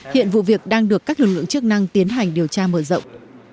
hiện vụ việc đang được các lực lượng chức năng tiến hành điều tra mở rộng